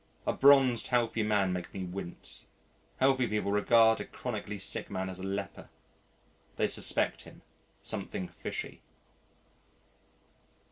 A bronzed healthy man makes me wince. Healthy people regard a chronic sickly man as a leper. They suspect him, something fishy.